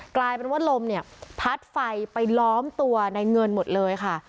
กลายเป็นว่าลมเนี่ยพัดไฟไปล้อมตัวในเงินหมดเลยค่ะ